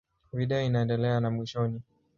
Video inaendelea na mwishoni.